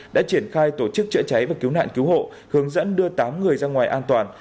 đã triển khai tổ chức chữa cháy và cứu nạn cứu hộ hướng dẫn đưa tám người ra ngoài an toàn